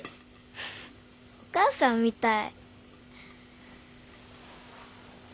フフッお母さんみたい。